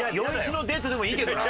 ４：１のデートでもいいけどな。